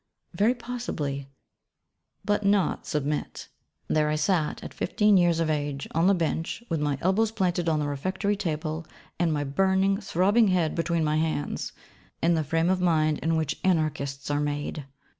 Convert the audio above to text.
Very possibly, but not submit. There I sat at fifteen years of age, on the bench, with my elbows planted on the Refectory table, and my burning, throbbing head between my hands, _in the frame of mind in which Anarchists are made.